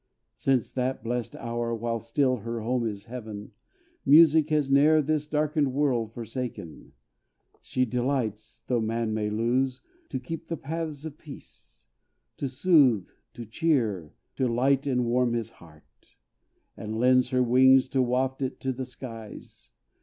Since that blessed hour, While still her home is heaven, Music has ne'er This darkened world forsaken. She delights, Though man may lose, or keep the paths of peace, To soothe, to cheer, to light and warm his heart; And lends her wings to waft it to the skies.